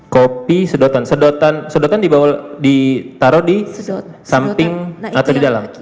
kopi sedotan sedotan ditaruh di samping atau di dalam